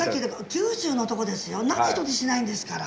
何一つしないんですから。